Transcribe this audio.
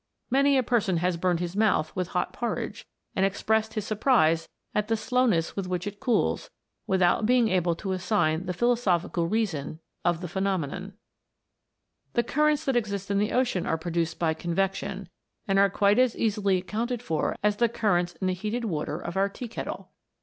Many a person has burned M2 164 WATER BEWITCHED. his mouth with hot porridge and expressed his sur prise at the slowness with which it cools, without being able to assign the philosophical reason of the phenomenon.* The currents that exist in the ocean are produced by convection, and are quite as easily accounted for as the currents in the heated water of our tea kettle.